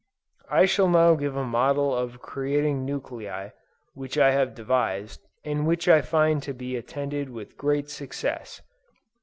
I shall now give a novel mode of creating nuclei, which I have devised, and which I find to be attended with great success.